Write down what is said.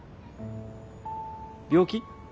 病気？